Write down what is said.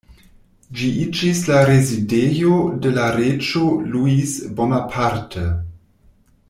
Ĝi iĝis la rezidejo de la reĝo Louis Bonaparte.